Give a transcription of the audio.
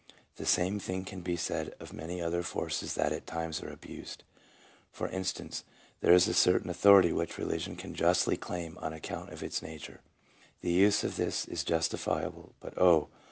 The same thing can be said of many other forces that at times are abused. For instance, there is a certain authority which religion can justly claim on account of its nature; the use of this is justifiable, but oh!